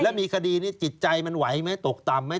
แล้วมีคดีนี้จิตใจมันไหวไหมตกต่ำไหม